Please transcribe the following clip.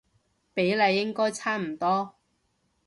比例應該差唔多